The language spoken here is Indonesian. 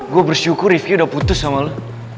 gue bersyukur rifki udah putus sama lo